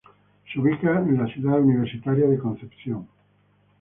Se ubica en la Ciudad Universitaria de Concepción.